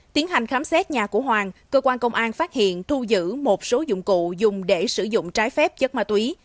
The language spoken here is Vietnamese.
tiến hành khám xét nhà của hoàng cơ quan công an phát hiện thu giữ một số dụng cụ dùng để sử dụng trái phép chất ma túy